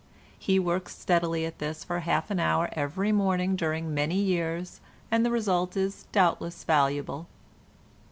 He works steadily at this for half an hour every morning during many years, and the result is doubtless valuable.